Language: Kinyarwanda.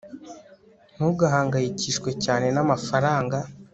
ntugahangayikishwe cyane namafaranga